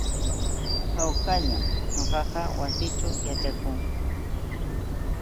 Hawkallam ñuqa wasiićhu yaćhakuu.